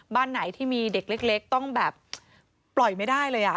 บ้านไหนที่มีเด็กเล็กต้องแบบปล่อยไม่ได้เลย